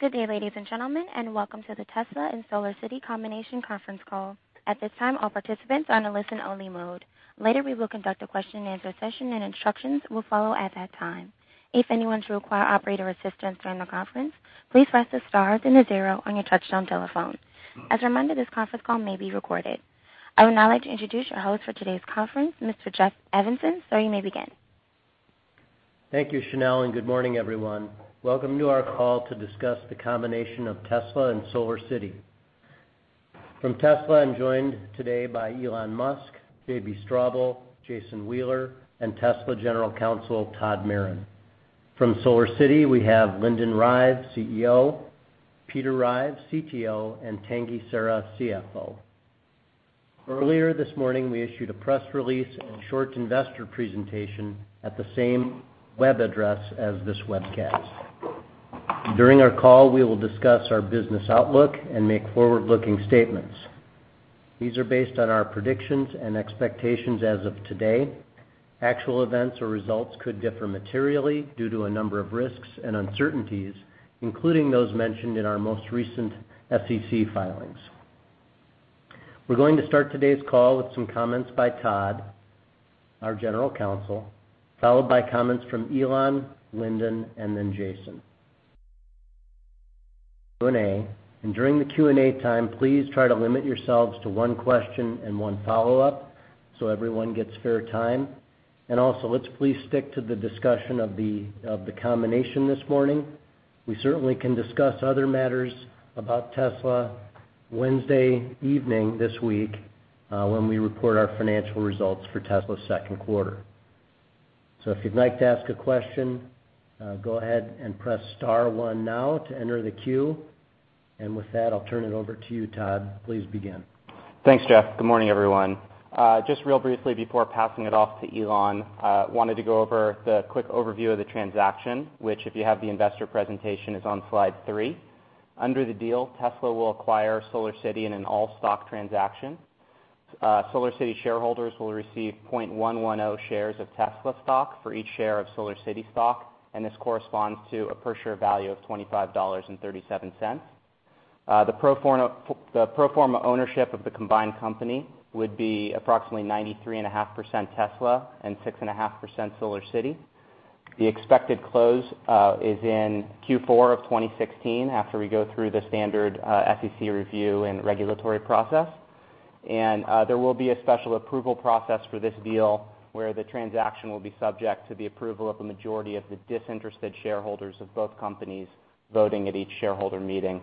Good day, ladies and gentlemen, welcome to the Tesla and SolarCity combination conference call. At this time, all participants are in a listen-only mode. Later, we will conduct a question-and-answer session, and instructions will follow at that time. If anyone should require operator assistance during the conference, please press the star then the zero on your touchtone telephone. As a reminder, this conference call may be recorded. I would now like to introduce your host for today's conference, Mr. Jeff Evanson. Sir, you may begin. Thank you, Chanelle, and good morning, everyone. Welcome to our call to discuss the combination of Tesla and SolarCity. From Tesla, I'm joined today by Elon Musk, JB Straubel, Jason Wheeler, and Tesla General Counsel, Todd Maron. From SolarCity, we have Lyndon Rive, CEO, Peter Rive, CTO, and Tanguy Serra, CFO. Earlier this morning, we issued a press release and short investor presentation at the same web address as this webcast. During our call, we will discuss our business outlook and make forward-looking statements. These are based on our predictions and expectations as of today. Actual events or results could differ materially due to a number of risks and uncertainties, including those mentioned in our most recent SEC filings. We're going to start today's call with some comments by Todd, our General Counsel, followed by comments from Elon, Lyndon, and then Jason. Q&A. During the Q&A time, please try to limit yourselves to one question and one follow-up, so everyone gets fair time. Also, let's please stick to the discussion of the combination this morning. We certainly can discuss other matters about Tesla Wednesday evening this week, when we report our financial results for Tesla's second quarter. If you'd like to ask a question, go ahead and press star one now to enter the queue. With that, I'll turn it over to you, Todd. Please begin. Thanks, Jeff. Good morning, everyone. Just real briefly before passing it off to Elon, wanted to go over the quick overview of the transaction, which, if you have the investor presentation, is on slide three. Under the deal, Tesla will acquire SolarCity in an all-stock transaction. SolarCity shareholders will receive 0.110 shares of Tesla stock for each share of SolarCity stock, and this corresponds to a per-share value of $25.37. The pro forma ownership of the combined company would be approximately 93.5% Tesla and 6.5% SolarCity. The expected close is in Q4 of 2016, after we go through the standard SEC review and regulatory process. There will be a special approval process for this deal where the transaction will be subject to the approval of a majority of the disinterested shareholders of both companies voting at each shareholder meeting.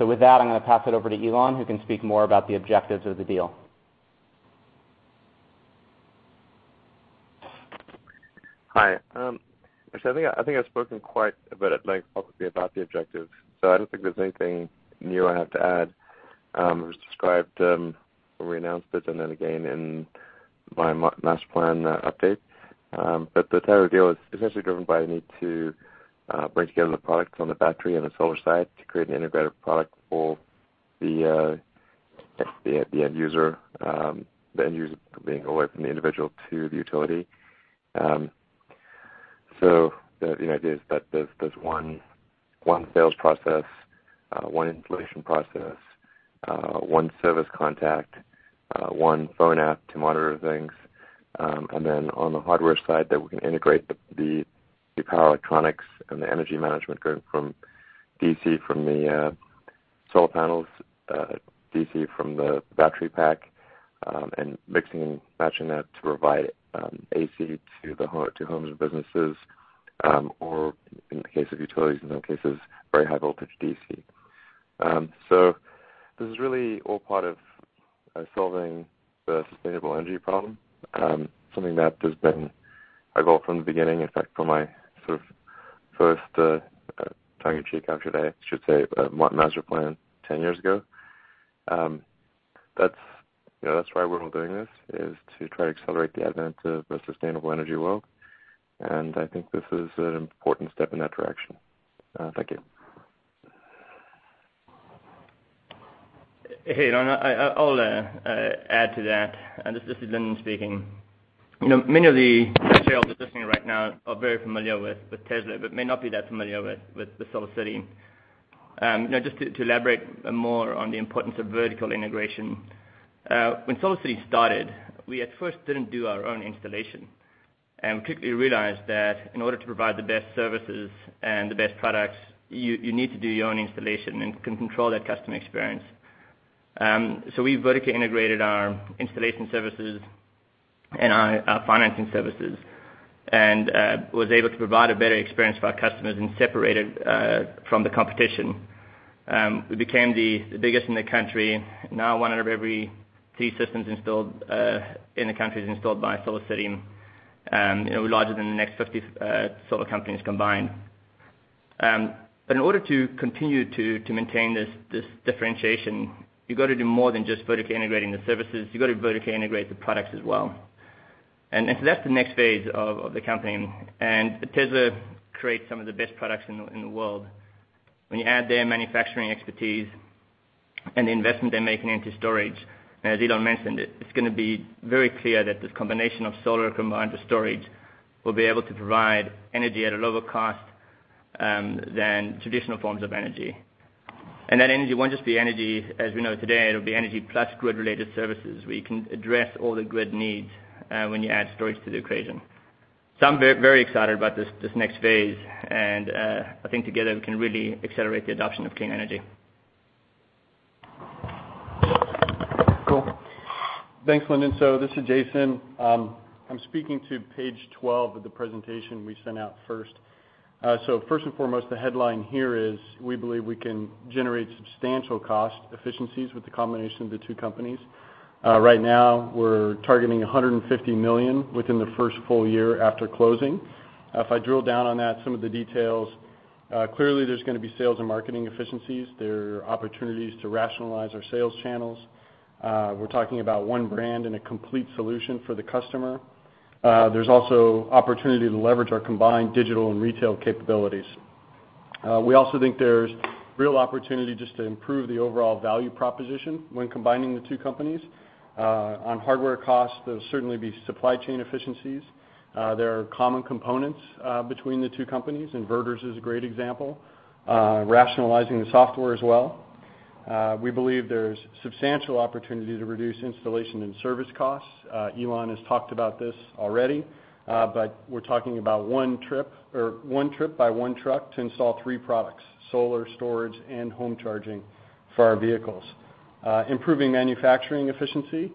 With that, I'm gonna pass it over to Elon, who can speak more about the objectives of the deal. Hi. Actually, I think I've spoken quite a bit at length publicly about the objectives, so I don't think there's anything new I have to add, as described, when we announced it and then again in my Master Plan update. The entire deal is essentially driven by a need to bring together the products on the battery and the solar side to create an integrated product for the end user, the end user being all the way from the individual to the utility. The idea is that there's one sales process, one installation process, one service contact, one phone app to monitor things. On the hardware side that we can integrate the power electronics and the energy management going from DC from the solar panels, DC from the battery pack, and mixing and matching that to provide AC to homes and businesses, or in the case of utilities, in some cases, very high voltage DC. This is really all part of solving the sustainable energy problem. Something that has been a goal from the beginning. In fact, from my sort of first, tongue in cheek, actually, I should say, Master Plan 10 years ago. That's, you know, that's why we're all doing this, is to try to accelerate the advent of a sustainable energy world, and I think this is an important step in that direction. Thank you. Hey, Elon, I'll add to that. This is Lyndon speaking. You know, many of the material we're discussing right now are very familiar with Tesla, but may not be that familiar with SolarCity. You know, just to elaborate more on the importance of vertical integration. When SolarCity started, we at first didn't do our own installation, and we quickly realized that in order to provide the best services and the best products, you need to do your own installation and can control that customer experience. So we vertically integrated our installation services and our financing services and was able to provide a better experience for our customers and separated from the competition. We became the biggest in the country. One out of every three systems installed in the country is installed by SolarCity. You know, we're larger than the next 50 solar companies combined. In order to continue to maintain this differentiation, you've got to do more than just vertically integrating the services. You've got to vertically integrate the products as well. That's the next phase of the company. Tesla creates some of the best products in the world. When you add their manufacturing expertise, the investment they're making into storage. As Elon mentioned it's gonna be very clear that this combination of solar combined with storage will be able to provide energy at a lower cost than traditional forms of energy. That energy won't just be energy as we know today, it'll be energy plus grid-related services, where you can address all the grid needs when you add storage to the equation. I'm very excited about this next phase and I think together we can really accelerate the adoption of clean energy. Cool. Thanks, Lyndon. This is Jason. I'm speaking to page 12 of the presentation we sent out first. First and foremost, the headline here is, we believe we can generate substantial cost efficiencies with the combination of the two companies. Right now, we're targeting $150 million within the first full year after closing. If I drill down on that, some of the details, clearly there's gonna be sales and marketing efficiencies. There are opportunities to rationalize our sales channels. We're talking about one brand and a complete solution for the customer. There's also opportunity to leverage our combined digital and retail capabilities. We also think there's real opportunity just to improve the overall value proposition when combining the two companies. On hardware costs, there'll certainly be supply chain efficiencies. There are common components between the two companies. Inverters is a great example. Rationalizing the software as well. We believe there's substantial opportunity to reduce installation and service costs. Elon has talked about this already, but we're talking about one trip, or one trip by one truck to install three products, solar, storage, and home charging for our vehicles. Improving manufacturing efficiency.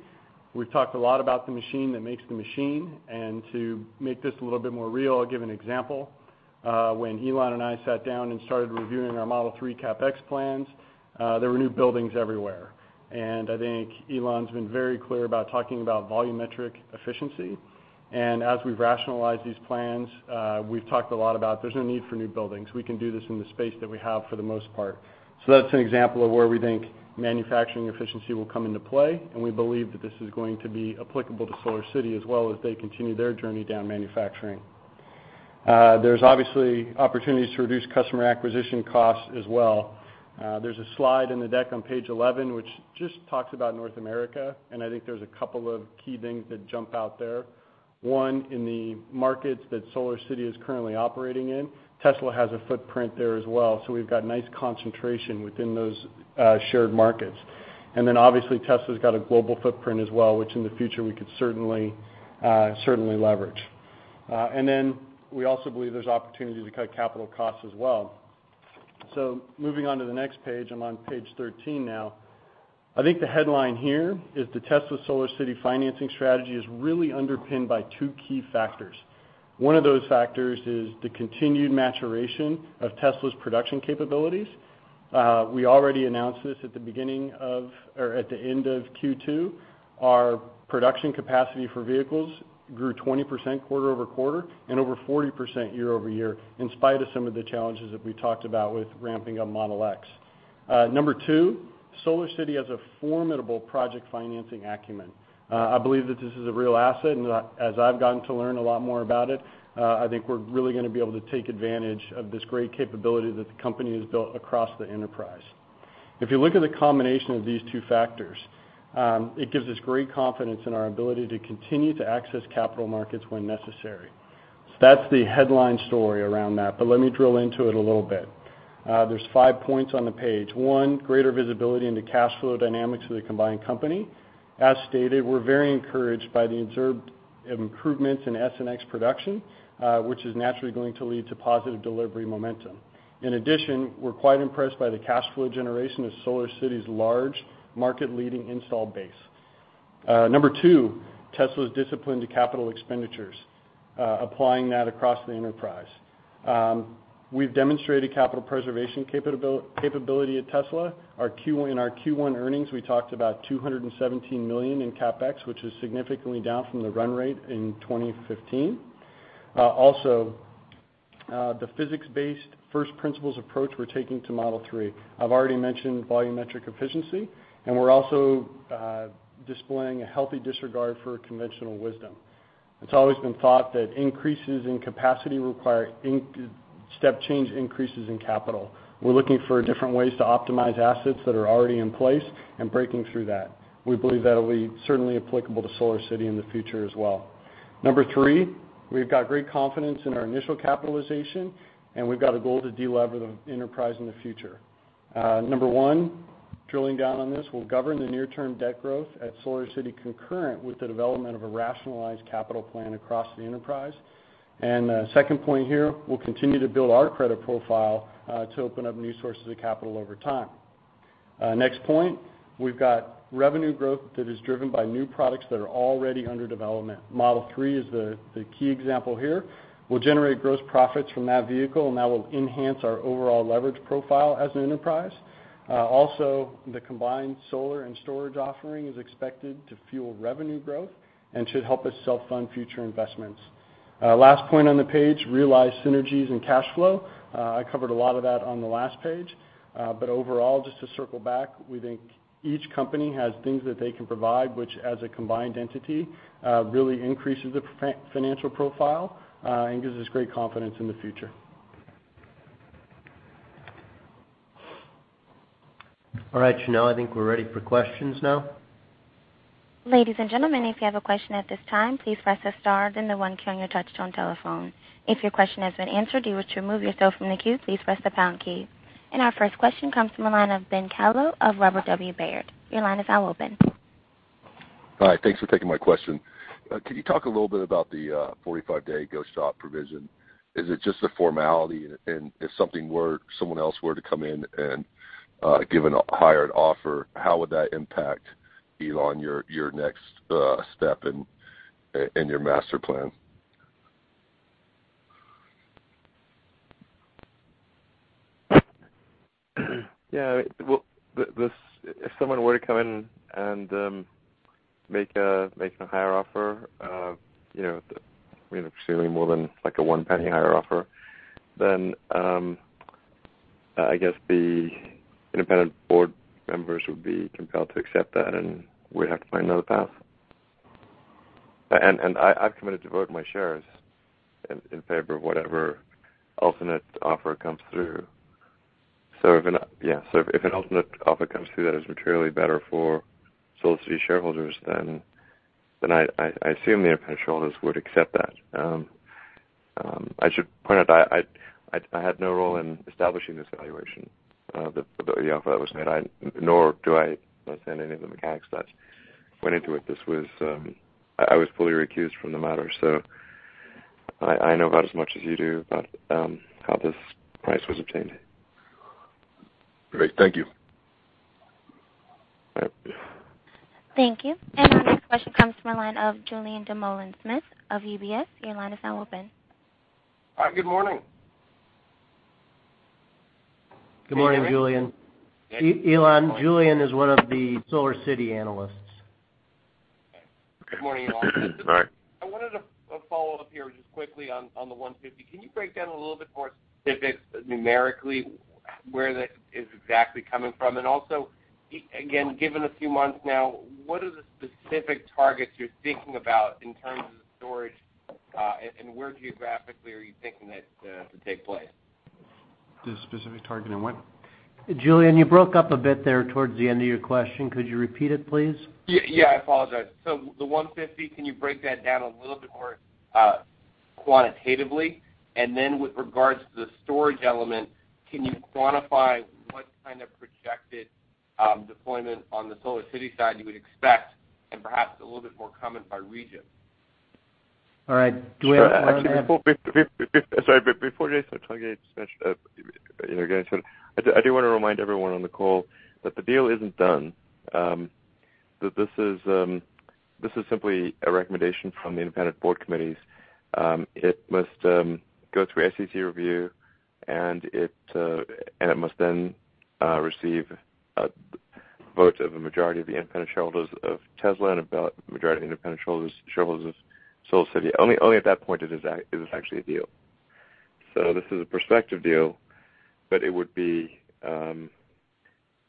We've talked a lot about the machine that makes the machine. To make this a little bit more real, I'll give an example. When Elon and I sat down and started reviewing our Model 3 CapEx plans, there were new buildings everywhere. I think Elon's been very clear about talking about volumetric efficiency. As we rationalize these plans, we've talked a lot about there's no need for new buildings. We can do this in the space that we have for the most part. That's an example of where we think manufacturing efficiency will come into play, and we believe that this is going to be applicable to SolarCity as well as they continue their journey down manufacturing. There's obviously opportunities to reduce customer acquisition costs as well. There's a slide in the deck on page 11, which just talks about North America, and I think there's a couple of key things that jump out there. One, in the markets that SolarCity is currently operating in, Tesla has a footprint there as well. We've got nice concentration within those shared markets. Obviously, Tesla's got a global footprint as well, which in the future we could certainly leverage. We also believe there's opportunity to cut capital costs as well. Moving on to the next page, I'm on page 13 now. I think the headline here is the Tesla-SolarCity financing strategy is really underpinned by two key factors. One of those factors is the continued maturation of Tesla's production capabilities. We already announced this at the beginning of, or at the end of Q2. Our production capacity for vehicles grew 20% quarter-over-quarter, and over 40% year-over-year, in spite of some of the challenges that we talked about with ramping up Model X. Number two, SolarCity has a formidable project financing acumen. I believe that this is a real asset, and as I've gotten to learn a lot more about it, I think we're really gonna be able to take advantage of this great capability that the company has built across the enterprise. If you look at the combination of these two factors, it gives us great confidence in our ability to continue to access capital markets when necessary. That's the headline story around that, but let me drill into it a little bit. There's five points on the page one, greater visibility into cash flow dynamics of the combined company. As stated, we're very encouraged by the observed improvements in S and X production, which is naturally going to lead to positive delivery momentum. In addition, we're quite impressed by the cash flow generation of SolarCity's large market-leading install base. Number two, Tesla's discipline to capital expenditures, applying that across the enterprise. We've demonstrated capital preservation capability at Tesla. In our Q1 earnings, we talked about $217 million in CapEx, which is significantly down from the run rate in 2015. Also, the physics-based first principles approach we're taking to Model 3. I've already mentioned volumetric efficiency, and we're also displaying a healthy disregard for conventional wisdom. It's always been thought that increases in capacity require step change increases in capital. We're looking for different ways to optimize assets that are already in place and breaking through that. We believe that'll be certainly applicable to SolarCity in the future as well. Number three, we've got great confidence in our initial capitalization, and we've got a goal to delever the enterprise in the future. Number one, drilling down on this, we'll govern the near term debt growth at SolarCity concurrent with the development of a rationalized capital plan across the enterprise. Second point here, we'll continue to build our credit profile to open up new sources of capital over time. Next point, we've got revenue growth that is driven by new products that are already under development. Model 3 is the key example here. We'll generate gross profits from that vehicle, and that will enhance our overall leverage profile as an enterprise. Also the combined solar and storage offering is expected to fuel revenue growth and should help us self-fund future investments. Last point on the page, realize synergies and cash flow. I covered a lot of that on the last page. Overall, just to circle back, we think each company has things that they can provide, which as a combined entity, really increases the financial profile, and gives us great confidence in the future. All right, Chanelle, I think we're ready for questions now. Ladies and gentlemen, if you have a question at this time, please press star, then the one key on your touchtone telephone. If your question has been answered, you would remove yourself from the queue, please press the pound key. Our first question comes from the line of Ben Kallo of Robert W. Baird. Your line is now open. Hi. Thanks for taking my question. Could you talk a little bit about the 45-day go-shop provision? Is it just a formality? If someone else were to come in and give a higher offer, how would that impact, Elon, your next step in your master plan? Yeah, well, if someone were to come in and make a higher offer, you know, which certainly more than like a $0.01 higher offer, then I guess the independent board members would be compelled to accept that, and we'd have to find another path. I've committed to vote my shares in favor of whatever alternate offer comes through. If an alternate offer comes through that is materially better for SolarCity shareholders, then I assume the independent shareholders would accept that. I should point out I had no role in establishing this valuation, the offer that was made. Nor do I understand any of the mechanics that went into it. I was fully recused from the matter, so I know about as much as you do about how this price was obtained. Great. Thank you. Thank you. Our next question comes from the line of Julien Dumoulin-Smith of UBS. Your line is now open. Hi, good morning. Good morning, Julien. Elon, Julien is one of the SolarCity analysts. Good morning, Elon Musk. Good Morning. I wanted a follow-up here just quickly on the $150 million. Can you break down a little bit more specifics numerically, where that is exactly coming from? Also, again, given a few months now, what are the specific targets you're thinking about in terms of storage, and where geographically are you thinking that to take place? The specific target in what? Julien, you broke up a bit there towards the end of your question. Could you repeat it, please? I apologize. The $150 million, can you break that down a little bit more quantitatively? And then with regards to the storage element, can you quantify what kind of projected deployment on the SolarCity side you would expect and perhaps a little bit more comment by region? All right. Actually, before Jay starts talking, I just mention, you know, again, I do wanna remind everyone on the call that the deal isn't done. That this is simply a recommendation from the independent board committees. It must go through SEC review, and it must then receive a vote of a majority of the independent shareholders of Tesla and a majority of independent shareholders of SolarCity. Only at that point is this actually a deal. This is a prospective deal, but it would be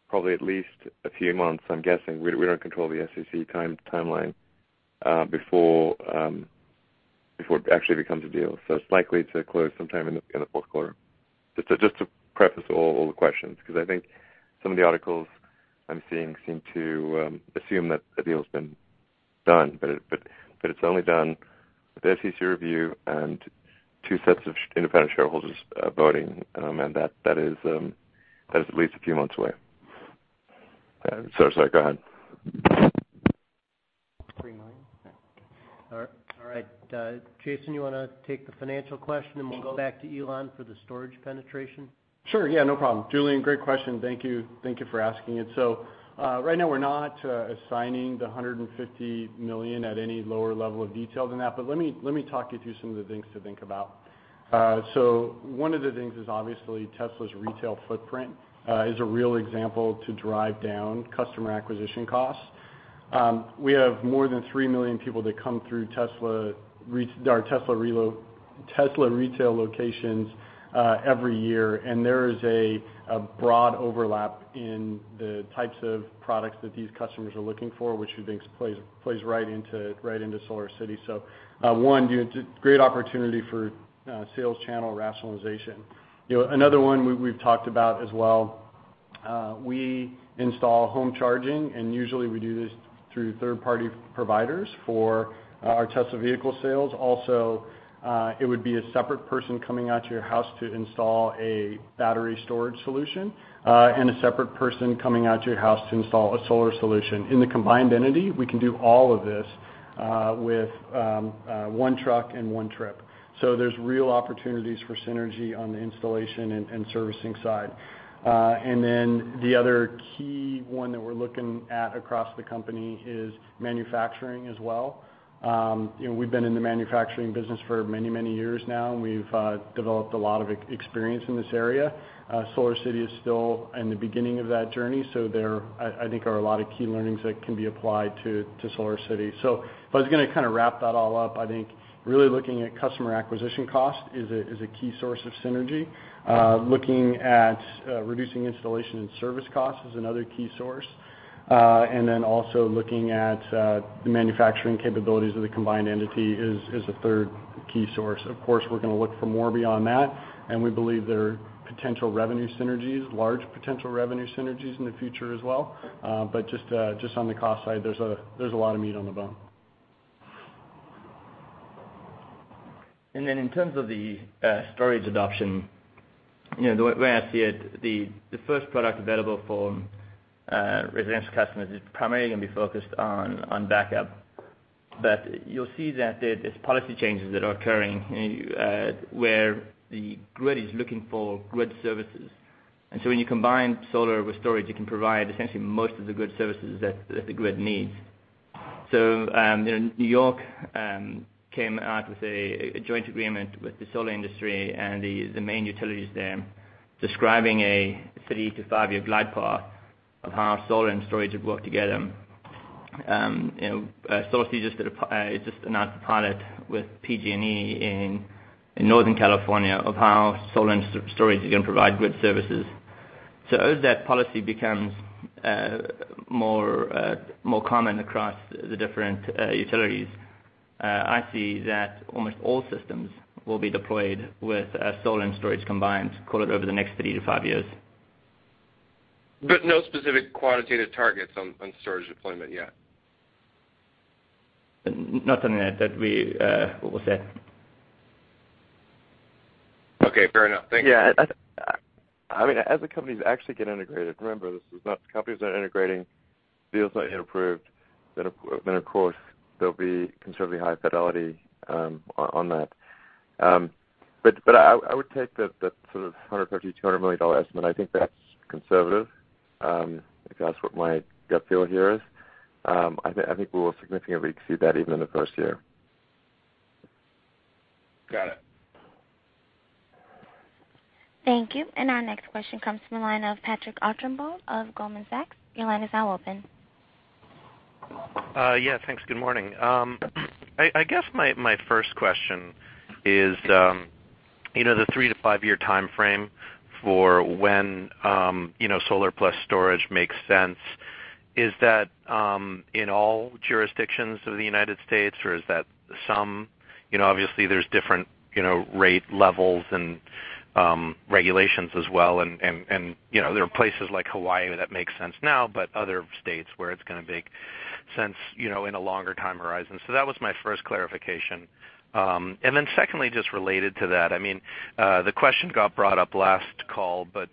probably at least a few months, I'm guessing, we don't control the SEC timeline, before it actually becomes a deal. It's likely to close sometime in the fourth quarter. Just to preface all the questions, because I think some of the articles I'm seeing seem to assume that the deal's been done, but it's only done with the SEC review and two sets of independent shareholders voting, and that is at least a few months away. Sorry, go ahead. All right. Jason, you wanna take the financial question, and we'll go back to Elon for the storage penetration? Sure. Yeah, no problem. Julien, great question. Thank you. Thank you for asking it. Right now we're not assigning the $150 million at any lower level of detail than that, but let me talk you through some of the things to think about. One of the things is obviously Tesla's retail footprint is a real example to drive down customer acquisition costs. We have more than 3 million people that come through Tesla retail locations every year, and there is a broad overlap in the types of products that these customers are looking for, which we think plays right into SolarCity. One, you know, it's a great opportunity for sales channel rationalization. You know, another one we've talked about as well, we install home charging, and usually we do this through third-party providers for our Tesla vehicle sales. Also, it would be a separate person coming out to your house to install a battery storage solution, and a separate person coming out to your house to install a solar solution. In the combined entity, we can do all of this with one truck and one trip. There's real opportunities for synergy on the installation and servicing side. The other key one that we're looking at across the company is manufacturing as well. You know, we've been in the manufacturing business for many, many years now. We've developed a lot of experience in this area. SolarCity is still in the beginning of that journey, there, I think, are a lot of key learnings that can be applied to SolarCity. If I was gonna kinda wrap that all up, I think really looking at customer acquisition cost is a, is a key source of synergy. looking at reducing installation and service costs is another key source. Also looking at the manufacturing capabilities of the combined entity is a third key source. Of course, we're gonna look for more beyond that, and we believe there are potential revenue synergies, large potential revenue synergies in the future as well. Just on the cost side, there's a lot of meat on the bone. In terms of the storage adoption, you know, the way I see it, the first product available for residential customers is primarily gonna be focused on backup. You'll see that there's policy changes that are occurring where the grid is looking for grid services. When you combine solar with storage, you can provide essentially most of the grid services that the grid needs. You know, New York came out with a joint agreement with the solar industry and the main utilities there describing a three to five year glide path of how solar and storage would work together. You know, SolarCity just announced a pilot with PG&E in Northern California of how solar and storage are gonna provide grid services. As that policy becomes, more common across the different, utilities, I see that almost all systems will be deployed with, solar and storage combined call it over the next three to five years. No specific quantitative targets on storage deployment yet? Not something that we will set. Okay. Fair enough. Thank you. I mean, as the companies actually get integrated, remember, the companies aren't integrating, deals not yet approved, then of course, there'll be considerably high fidelity on that. But I would take that sort of $150 million-$200 million estimate, I think that's conservative. Like that's what my gut feel here is. I think we will significantly exceed that even in the first year. Got it. Thank you. Our next question comes from the line of Patrick Archambault of Goldman Sachs. Yeah, thanks. Good morning. You know, the three to five year timeframe for when, you know, solar plus storage makes sense, is that in all jurisdictions of the United States, or is that some? You know, obviously, there's different, you know, rate levels and regulations as well, and, you know, there are places like Hawaii that makes sense now, but other states where it's gonna make sense, you know, in a longer time horizon. That was my first clarification. Secondly, just related to that, I mean, the question got brought up last call, but,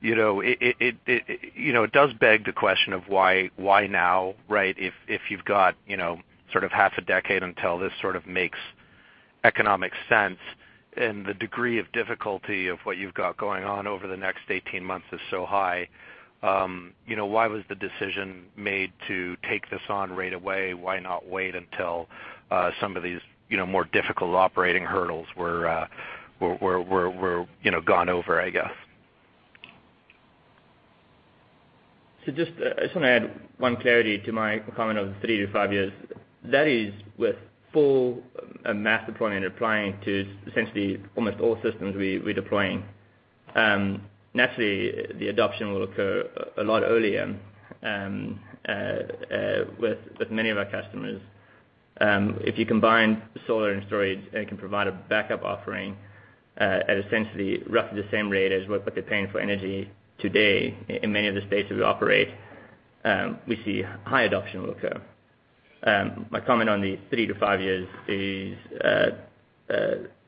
you know, it does beg the question of why now, right? If you've got, you know, sort of half a decade until this sort of makes economic sense and the degree of difficulty of what you've got going on over the next 18 months is so high, you know, why was the decision made to take this on right away? Why not wait until some of these, you know, more difficult operating hurdles were, you know, gone over, I guess? I want to add one clarity to my comment of three to five years. That is with full mass deployment applying to essentially almost all systems we're deploying. Naturally, the adoption will occur a lot earlier with many of our customers. If you combine solar and storage and can provide a backup offering at essentially roughly the same rate as what they're paying for energy today in many of the states that we operate, we see high adoption will occur. My comment on the three to five years is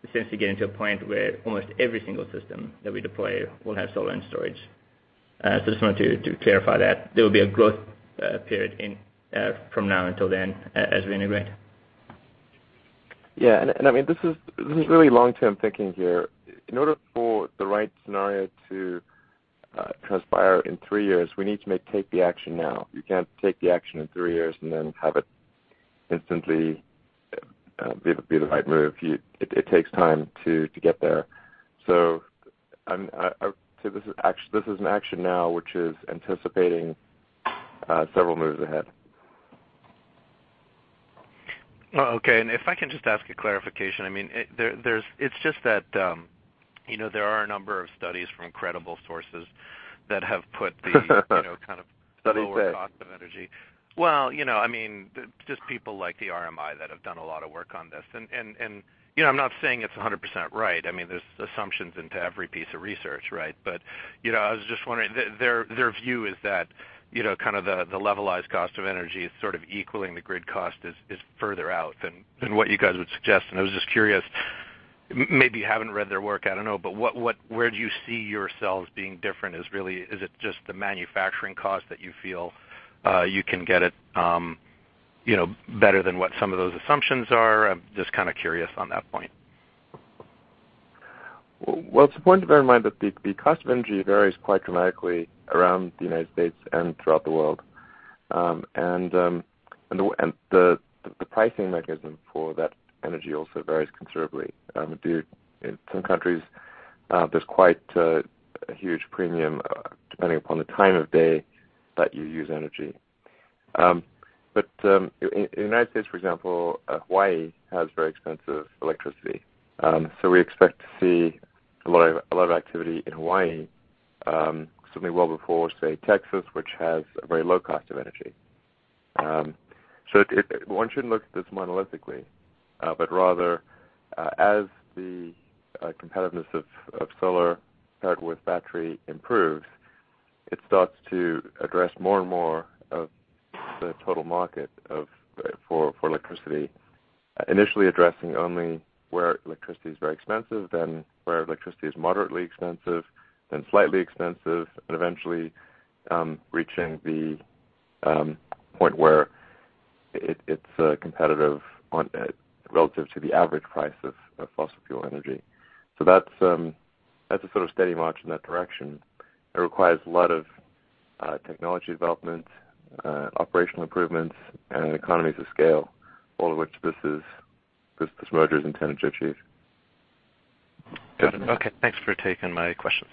essentially getting to a point where almost every single system that we deploy will have solar and storage. I just wanted to clarify that. There will be a growth period in from now until then as we integrate. Yeah. I mean, this is really long-term thinking here. In order for the right scenario to transpire in three years, we need to take the action now. You can't take the action in three years and then have it instantly be the right move. It takes time to get there. This is an action now which is anticipating several moves ahead. Oh, okay. If I can just ask a clarification. I mean, it's just that, you know, there are a number of studies from credible sources that have put the You know, kind of. Studies say. Lower cost of energy. Well, you know, I mean, just people like the RMI that have done a lot of work on this. You know, I'm not saying it's 100% right. I mean, there's assumptions into every piece of research, right? You know, I was just wondering, their view is that, you know, kind of the levelized cost of energy is sort of equaling the grid cost is further out than what you guys would suggest. I was just curious, maybe you haven't read their work, I don't know, but what, where do you see yourselves being different is really? Is it just the manufacturing cost that you feel you can get it, you know, better than what some of those assumptions are? I'm just kind of curious on that point. Well, it's important to bear in mind that the cost of energy varies quite dramatically around the U.S. and throughout the world. The pricing mechanism for that energy also varies considerably. Indeed, in some countries, there's quite a huge premium depending upon the time of day that you use energy. In the U.S., for example, Hawaii has very expensive electricity. We expect to see a lot of activity in Hawaii certainly well before, say, Texas, which has a very low cost of energy. One shouldn't look at this monolithically, but rather, as the competitiveness of solar paired with battery improves, it starts to address more and more of the total market for electricity. Initially addressing only where electricity is very expensive, then where electricity is moderately expensive, then slightly expensive, and eventually reaching the point where it's competitive on relative to the average price of fossil fuel energy. That's a sort of steady march in that direction. It requires a lot of technology development, operational improvements and economies of scale, all of which this merger is intended to achieve. Okay. Thanks for taking my questions.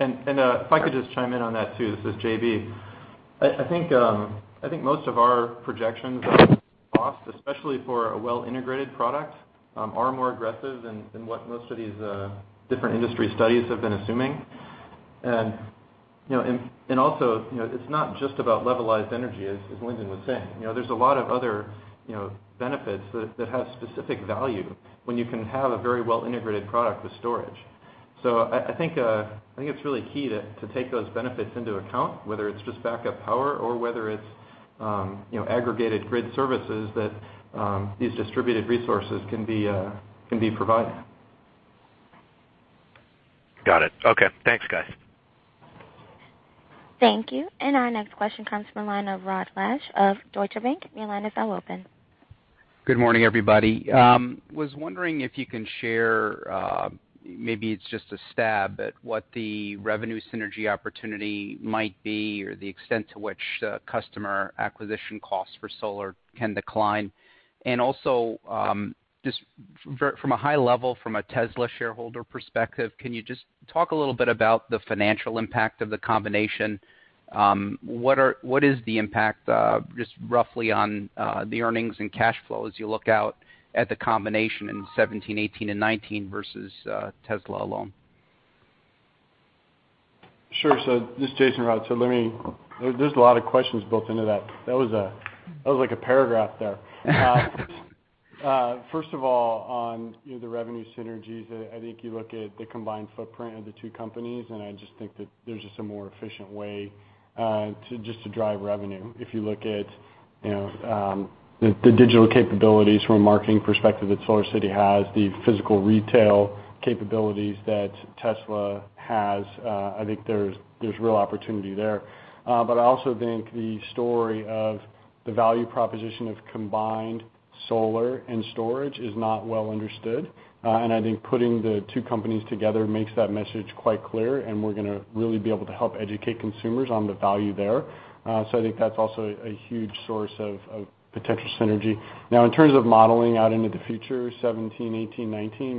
If I could just chime in on that too. This is JB. I think most of our projections on cost, especially for a well-integrated product, are more aggressive than what most of these different industry studies have been assuming. You know, also, you know, it's not just about levelized energy, as Lyndon was saying. You know, there's a lot of other, you know, benefits that have specific value when you can have a very well-integrated product with storage. I think it's really key to take those benefits into account, whether it's just backup power or whether it's, you know, aggregated grid services that these distributed resources can be providing. Got it. Okay. Thanks, guys. Thank you. Our next question comes from the line of Rod Lache of Deutsche Bank. Your line is now open. Good morning, everybody. Was wondering if you can share, maybe it's just a stab at what the revenue synergy opportunity might be or the extent to which the customer acquisition costs for solar can decline. Also, from a high level, from a Tesla shareholder perspective, can you just talk a little bit about the financial impact of the combination? What is the impact, just roughly on the earnings and cash flow as you look out at the combination in 2017, 2018, and 2019 versus Tesla alone? Sure. This is Jason, Rod. Let me there's a lot of questions built into that. That was like a paragraph there. First of all, on, you know, the revenue synergies, I think you look at the combined footprint of the two companies, and I just think that there's just a more efficient way to just to drive revenue. If you look at, you know, the digital capabilities from a marketing perspective that SolarCity has, the physical retail capabilities that Tesla has, I think there's real opportunity there. I also think the story of the value proposition of combined solar and storage is not well understood. I think putting the two companies together makes that message quite clear, and we're gonna really be able to help educate consumers on the value there. I think that's also a huge source of potential synergy. Now, in terms of modeling out into the future, 2017, 2018,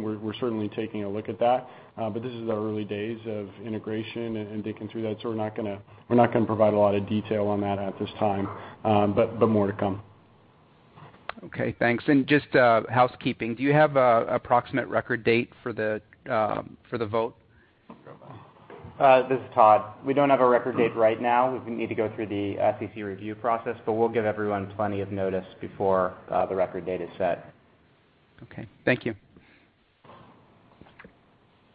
2019, we're certainly taking a look at that. This is the early days of integration and digging through that, so we're not gonna provide a lot of detail on that at this time. More to come. Okay, thanks. Just, housekeeping. Do you have a approximate record date for the for the vote? This is Todd. We don't have a record date right now. We need to go through the SEC review process, but we'll give everyone plenty of notice before the record date is set. Okay. Thank you.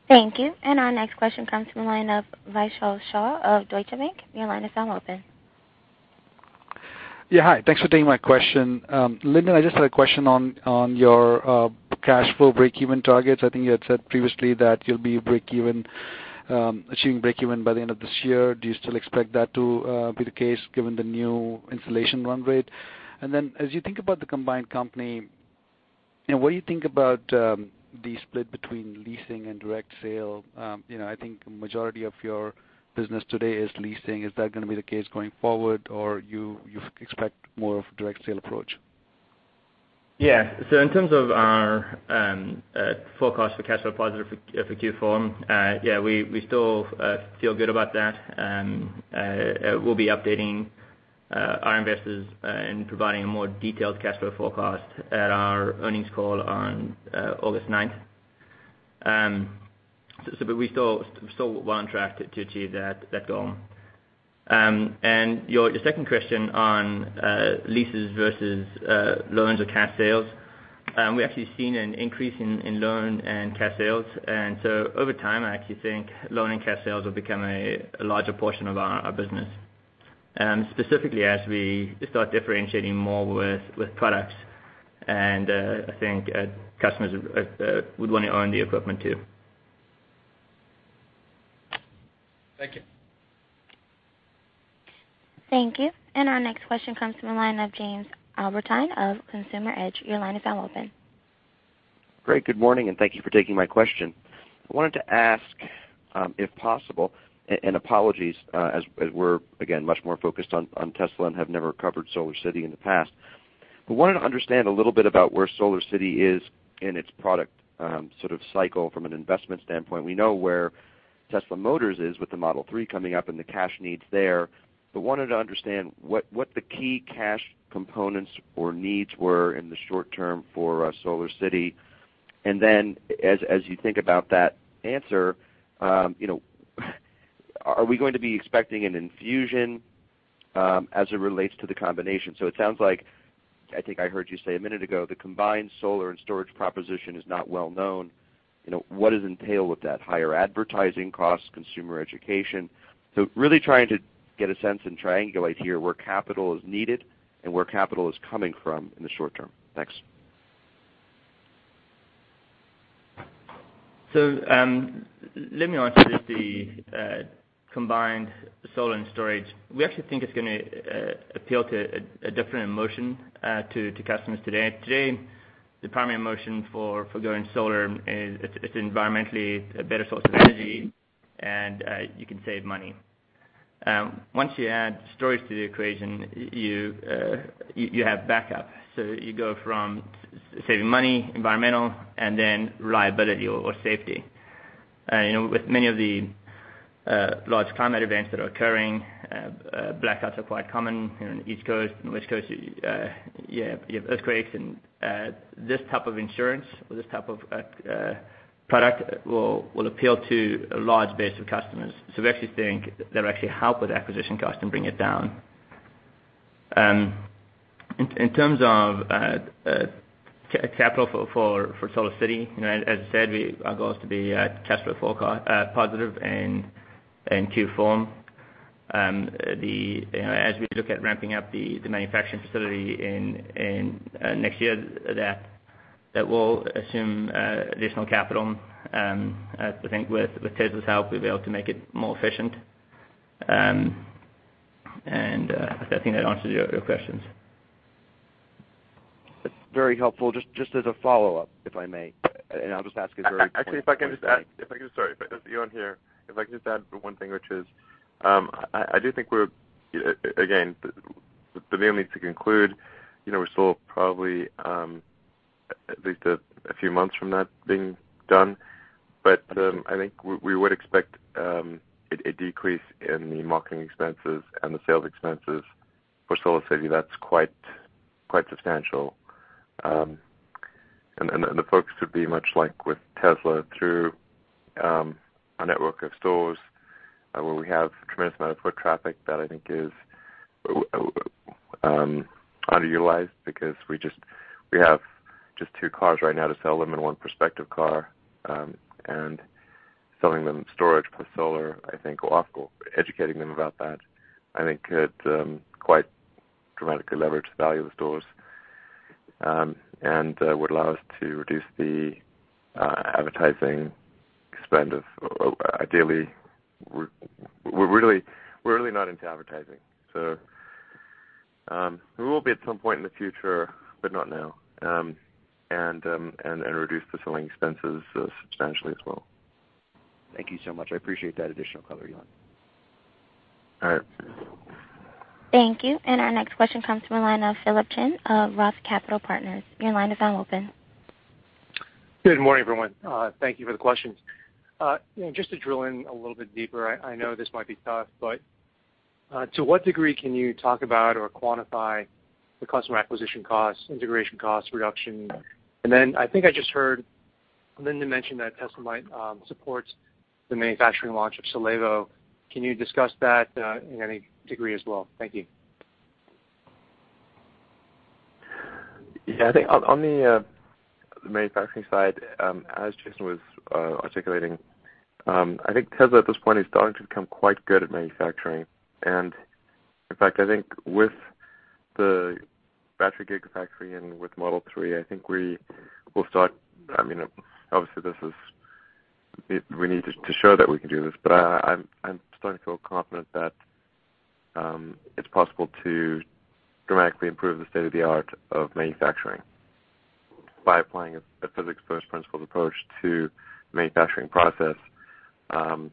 Thank you. Our next question comes from the line of Vishal Shah of Deutsche Bank. Your line is now open. Hi. Thanks for taking my question. Lyndon, I just had a question on your cash flow breakeven targets. I think you had said previously that you'll be breakeven, achieving breakeven by the end of this year. Do you still expect that to be the case given the new installation run rate? As you think about the combined company and what you think about the split between leasing and direct sale, you know, I think majority of your business today is leasing. Is that gonna be the case going forward or you expect more of direct sale approach? In terms of our forecast for cash flow positive for Q4, yeah, we still feel good about that. We'll be updating our investors and providing a more detailed cash flow forecast at our earnings call on August 9th. We still well on track to achieve that goal. Your second question on leases versus loans or cash sales, we've actually seen an increase in loan and cash sales. Over time, I actually think loan and cash sales will become a larger portion of our business, specifically as we start differentiating more with products. I think customers would wanna own the equipment too. Thank you. Thank you. Our next question comes from the line of Jamie Albertine of Consumer Edge. Your line is now open. Great. Good morning, and thank you for taking my question. I wanted to ask, if possible, and apologies, as we're again, much more focused on Tesla and have never covered SolarCity in the past. Wanted to understand a little bit about where SolarCity is in its product, sort of cycle from an investment standpoint. We know where Tesla is with the Model 3 coming up and the cash needs there. Wanted to understand what the key cash components or needs were in the short term for SolarCity. As you think about that answer, you know, are we going to be expecting an infusion as it relates to the combination? It sounds like, I think I heard you say a minute ago, the combined solar and storage proposition is not well known. You know, what does entail with that, higher advertising costs, consumer education. Really trying to get a sense and triangulate here where capital is needed and where capital is coming from in the short term. Thanks. Let me answer just the combined solar and storage. We actually think it's gonna appeal to a different emotion to customers today. Today, the primary emotion for going solar is it's environmentally a better source of energy and you can save money. Once you add storage to the equation, you have backup. You go from saving money, environmental and then reliability or safety. You know, with many of the large climate events that are occurring, blackouts are quite common. You know, in the East Coast and West Coast, you have earthquakes. This type of insurance or this type of product will appeal to a large base of customers. We actually think that'll actually help with acquisition cost and bring it down. In terms of capital for SolarCity, you know, as I said, our goal is to be cash flow positive in Q4. You know, as we look at ramping up the manufacturing facility in next year, that will assume additional capital. I think with Tesla's help, we'll be able to make it more efficient. I think that answers your questions. That's very helpful. Just as a follow-up, if I may. Actually, if I can just add. Sorry, it's Elon here. If I can just add one thing, which is, I do think we're again, the deal needs to conclude. You know, we're still probably at least a few months from that being done. I think we would expect a decrease in the marketing expenses and the sales expenses for SolarCity that's quite substantial. The folks would be much like with Tesla through a network of stores, where we have tremendous amount of foot traffic that I think is underutilized because we have just two cars right now to sell them and one prospective car. Selling them storage plus solar, I think will also educating them about that, I think could quite dramatically leverage the value of the stores, and would allow us to reduce the advertising spend of ideally we're really not into advertising. We will be at some point in the future, but not now. Reduce the selling expenses substantially as well. Thank you so much. I appreciate that additional color, Elon. All right. Thank you. Our next question comes from the line of Philip Shen of Roth Capital Partners. Your line is now open. Good morning, everyone. Thank you for the questions. You know, just to drill in a little bit deeper, I know this might be tough, but to what degree can you talk about or quantify the customer acquisition costs, integration costs, reduction? Then I think I just heard Lyndon mention that Tesla might support the manufacturing launch of Silevo. Can you discuss that in any degree as well? Thank you. I think on the manufacturing side, as Jason was articulating, I think Tesla at this point is starting to become quite good at manufacturing. In fact, I think with the battery Gigafactory and with Model 3, I think we will start I mean, obviously this is, we need to show that we can do this, but I'm starting to feel confident that it's possible to dramatically improve the state-of-the-art of manufacturing by applying a physics first principles approach to manufacturing process, and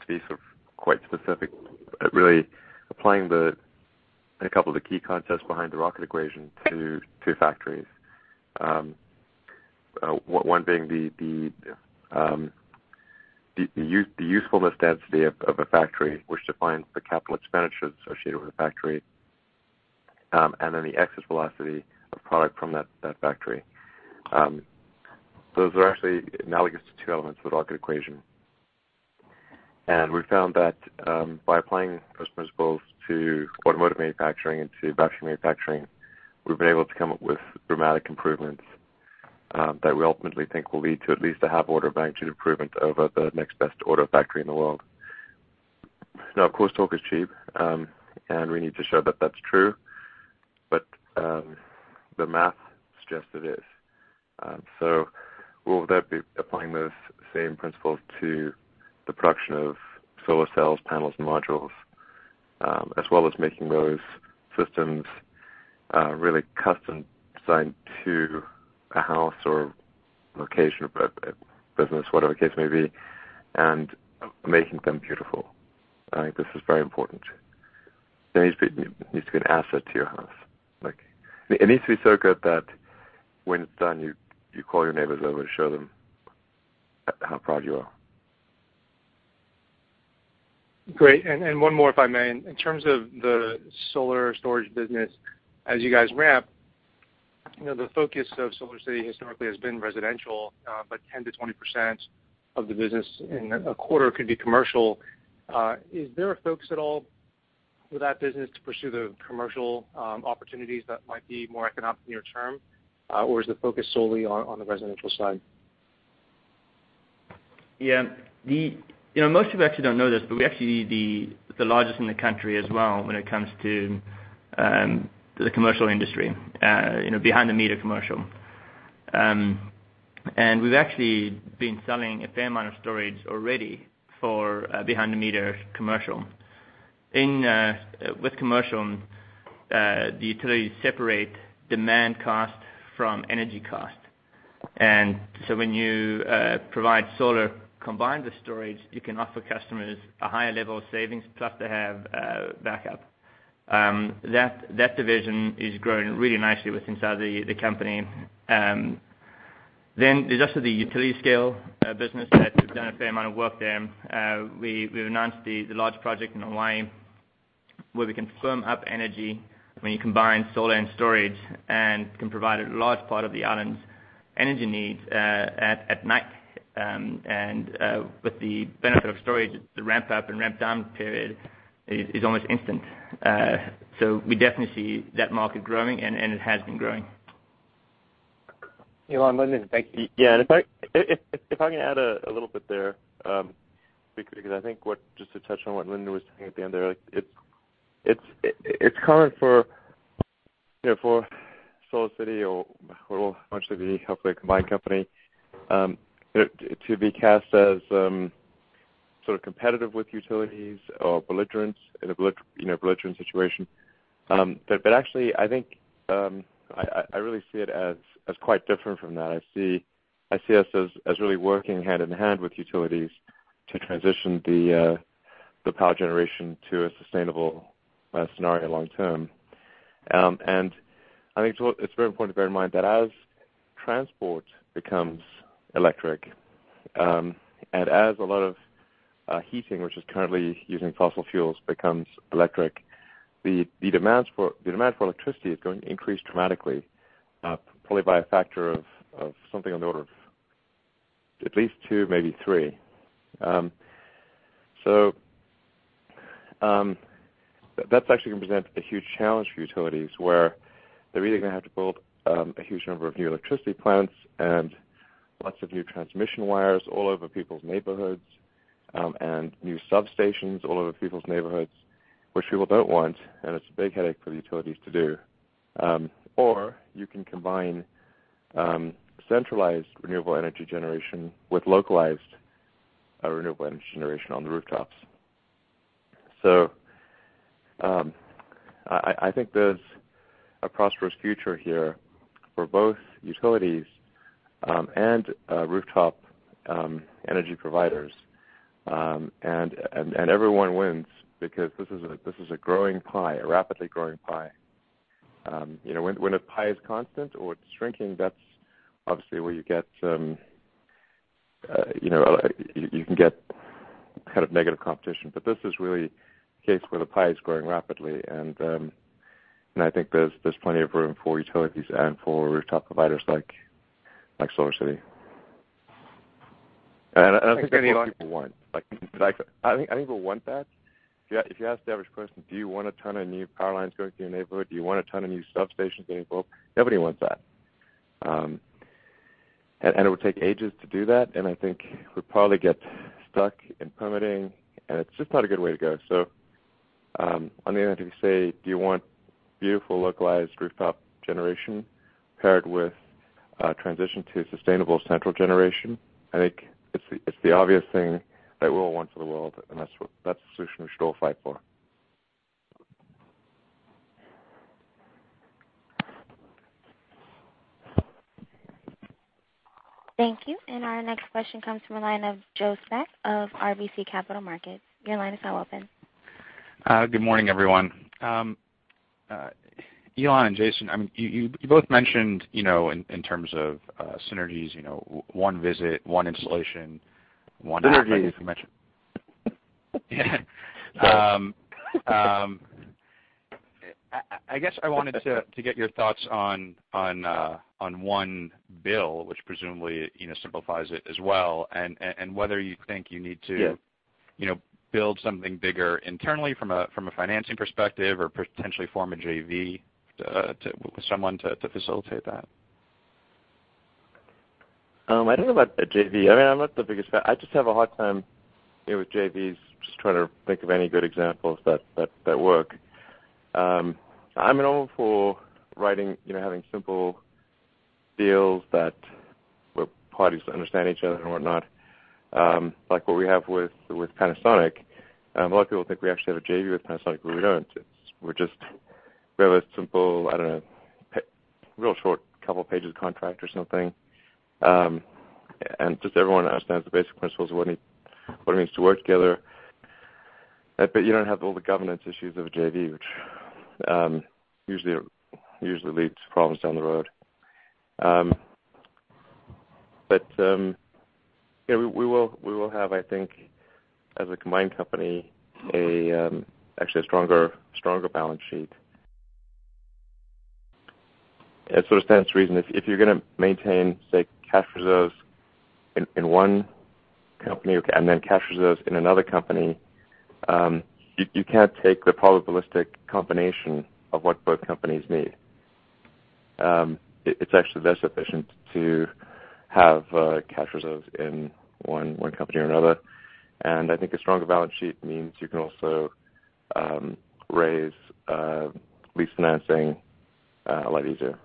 to be sort of quite specific, really applying a couple of the key concepts behind the rocket equation to factories. One being the usefulness density of a factory which defines the capital expenditures associated with a factory, and then the exit velocity of product from that factory. Those are actually analogous to two elements of the rocket equation. We found that by applying those principles to automotive manufacturing and to battery manufacturing, we've been able to come up with dramatic improvements that we ultimately think will lead to at least a half order of magnitude improvement over the next best auto factory in the world. Now, of course, talk is cheap, and we need to show that that's true, but the math suggests it is. We'll then be applying those same principles to the production of solar cells, panels, and modules, as well as making those systems, really custom designed to a house or location, business, whatever the case may be, and making them beautiful. I think this is very important. There needs to be an asset to your house. Like, it needs to be so good that when it's done, you call your neighbors over to show them how proud you are. Great. One more, if I may. In terms of the solar storage business, as you guys ramp, you know, the focus of SolarCity historically has been residential, but 10%-20% of the business in a quarter could be commercial. Is there a focus at all for that business to pursue the commercial opportunities that might be more economic near term? Or is the focus solely on the residential side? You know, most people actually don't know this, but we're actually the largest in the country as well when it comes to the commercial industry, you know, behind the meter commercial. We've actually been selling a fair amount of storage already for behind the meter commercial. With commercial, the utilities separate demand cost from energy cost. When you provide solar combined with storage, you can offer customers a higher level of savings, plus they have backup. That division is growing really nicely with inside the company. There's also the utility scale business that we've done a fair amount of work there. We've announced the large project in Hawaii, where we can firm up energy when you combine solar and storage and can provide a large part of the island's energy needs at night. With the benefit of storage, the ramp up and ramp down period is almost instant. We definitely see that market growing, and it has been growing. Elon, Lyndon, thank you. Yeah. If I can add a little bit there, because I think just to touch on what Lyndon was saying at the end there. Like it's common for, you know, for SolarCity or actually the hopefully combined company, you know, to be cast as sort of competitive with utilities or belligerents in a belligerent situation. actually I think I really see it as quite different from that. I see us as really working hand in hand with utilities to transition the power generation to a sustainable scenario long term. I think it's very important to bear in mind that as transport becomes electric, and as a lot of heating, which is currently using fossil fuels, becomes electric, the demand for electricity is going to increase dramatically, probably by a factor of something on the order of at least two, maybe three. That's actually gonna present a huge challenge for utilities, where they're really gonna have to build a huge number of new electricity plants and lots of new transmission wires all over people's neighborhoods, and new substations all over people's neighborhoods, which people don't want, and it's a big headache for the utilities to do. You can combine centralized renewable energy generation with localized renewable energy generation on the rooftops. I think there's a prosperous future here for both utilities and rooftop energy providers. Everyone wins because this is a growing pie, a rapidly growing pie. You know, when a pie is constant or it's shrinking, that's obviously where you get, you know, you can get kind of negative competition. This is really a case where the pie is growing rapidly, and I think there's plenty of room for utilities and for rooftop providers like SolarCity. I think that's what people want. Like I think people want that. If you ask the average person, "Do you want a ton of new power lines going through your neighborhood? Do you want a ton of new substations being built?" Nobody wants that. It would take ages to do that, and I think we'd probably get stuck in permitting, and it's just not a good way to go. On the other hand, if you say, "Do you want beautiful localized rooftop generation paired with transition to sustainable central generation?" I think it's the obvious thing that we all want for the world, and that's what, that's the solution we should all fight for. Thank you. Our next question comes from a line of Joe Spak of RBC Capital Markets. Your line is now open. Good morning, everyone. Elon and Jason, I mean, you both mentioned, you know, in terms of synergies, you know, one visit, one installation, one. Synergies. You mentioned I guess I wanted to get your thoughts on one bill, which presumably, you know, simplifies it as well, and whether you think you need to. Yeah. You know, build something bigger internally from a financing perspective or potentially form a JV to with someone to facilitate that. I don't know about a JV. I mean, I'm not the biggest fan. I just have a hard time, you know, with JVs, just trying to think of any good examples that work. I'm in all for writing, you know, having simple deals that where parties understand each other and whatnot, like what we have with Panasonic. A lot of people think we actually have a JV with Panasonic, but we don't. We have a simple, I don't know, real short couple pages contract or something. Just everyone understands the basic principles of what need, what it means to work together. You don't have all the governance issues of a JV, which, usually leads to problems down the road. Yeah, we will have, I think, as a combined company, actually a stronger balance sheet. It sort of stands to reason if you're gonna maintain, say, cash reserves in one company and then cash reserves in another company, you can't take the probabilistic combination of what both companies need. It's actually less efficient to have cash reserves in one company or another. I think a stronger balance sheet means you can also raise lease financing a lot easier.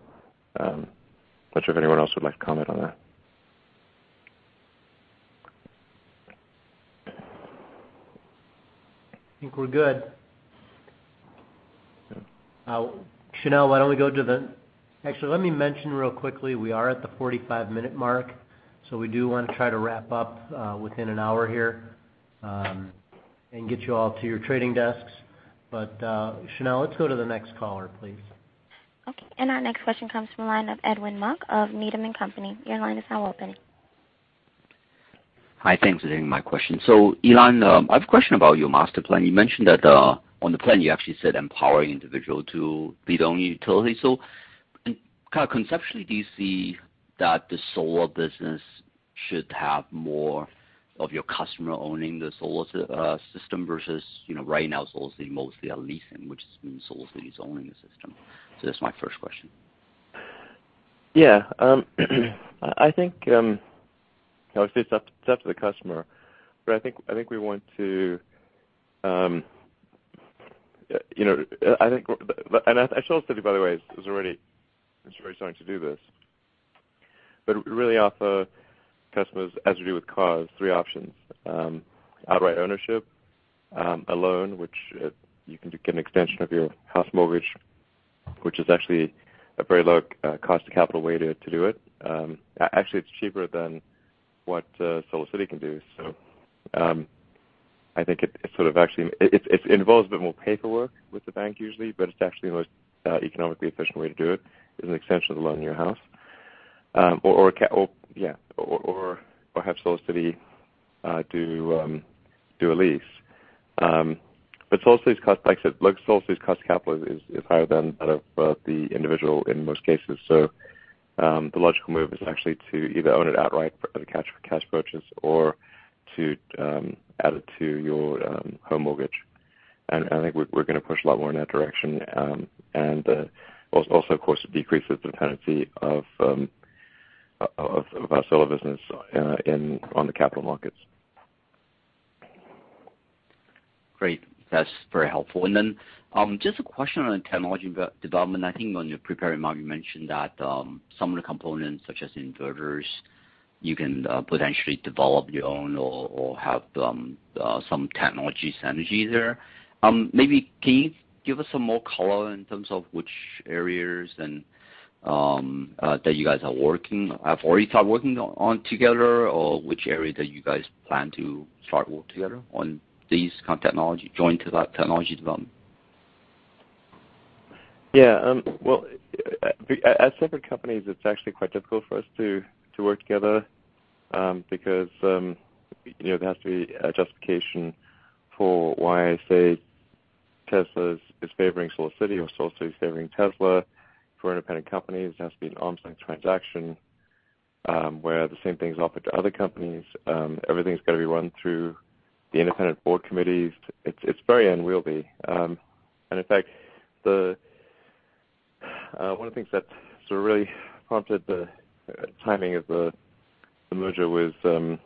Not sure if anyone else would like to comment on that. I think we're good. Chanelle, why don't we go to the Actually, let me mention real quickly, we are at the 45-minute mark. We do wanna try to wrap up within an hour here, and get you all to your trading desks. Chanelle, let's go to the next caller, please. Okay. Our next question comes from a line of Edwin Mok of Needham & Company. Your line is now open. Hi, thanks for taking my question. Elon, I have a question about your master plan. You mentioned that on the plan you actually said empowering individual to be the only utility. And kinda conceptually, do you see that the solar business should have more of your customer owning the solar system versus, you know, right now, SolarCity mostly are leasing, which has been SolarCity's owning the system. That's my first question. Yeah. I think, obviously it's up, it's up to the customer, but I think, I think we want to, you know, I think and SolarCity, by the way, is already starting to do this. Really offer customers, as we do with cars, three options: outright ownership, a loan which you can get an extension of your house mortgage, which is actually a very low cost of capital way to do it. Actually, it's cheaper than what SolarCity can do. I think it sort of actually it involves a bit more paperwork with the bank usually, but it's actually the most economically efficient way to do it, is an extension of the loan on your house. Or yeah, or have SolarCity do a lease. SolarCity's cost, like I said, look, SolarCity's cost capital is higher than that of the individual in most cases. The logical move is actually to either own it outright for the cash purchase or to add it to your home mortgage. I think we're gonna push a lot more in that direction. Also of course it decreases the dependency of our solar business on the capital markets. Great. That's very helpful. Just a question on technology development. I think on your prepared remarks you mentioned that some of the components, such as inverters, you can potentially develop your own or have some technologies synergy there. Can you give us some more color in terms of which areas that you guys are working, have already started working on together or which area that you guys plan to start work together on these kind of technology, joint technology development? Well, as separate companies, it's actually quite difficult for us to work together, because, you know, there has to be a justification for why, say, Tesla is favoring SolarCity or SolarCity is favoring Tesla. For independent companies, it has to be an arm's length transaction, where the same thing is offered to other companies. Everything's gotta be run through the independent board committees. It's very unwieldy. In fact, one of the things that sort of really prompted the timing of the merger was, you